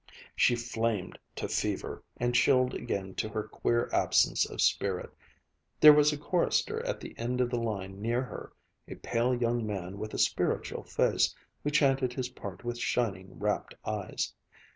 She flamed to fever and chilled again to her queer absence of spirit.... There was a chorister at the end of the line near her, a pale young man with a spiritual face who chanted his part with shining rapt eyes.